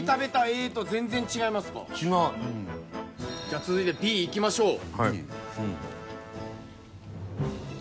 じゃあ続いてＢいきましょう。